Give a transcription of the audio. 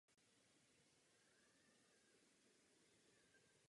Též pomáhal nahrát zvukové efekty a ambient audio.